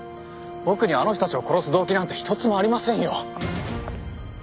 僕にはあの人たちを殺す動機なんて一つもありませんよ。